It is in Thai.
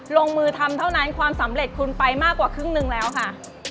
ลงมือทำเท่านั้นความสำเร็จคุณไปมากกว่าครึ่งหนึ่งแล้วค่ะ